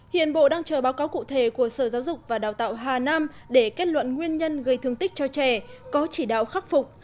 hiện bộ đang chờ báo cáo cụ thể của sở giáo dục và đào tạo hà nam để kết luận nguyên nhân gây thương tích cho trẻ có chỉ đạo khắc phục